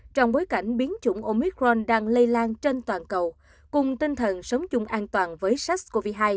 trong bối cảnh biến chủng omicron đang lây lan trên toàn cầu cùng tinh thần sống chung an toàn với sars cov hai